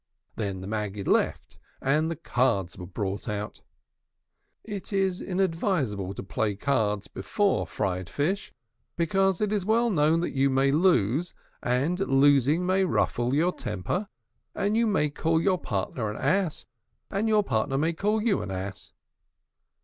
Then the Maggid left, and the cards were brought out. It is inadvisable to play cards before fried fish, because it is well known that you may lose, and losing may ruffle your temper, and you may call your partner an ass, or your partner may call you an ass.